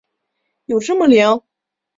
有这么灵？